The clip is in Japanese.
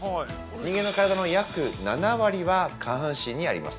人間の体の約７割は下半身にあります。